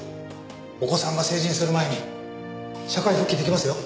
お子さんが成人する前に社会復帰できますよ。